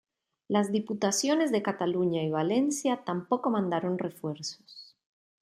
Las Diputaciones de Cataluña y Valencia tampoco mandaron refuerzos.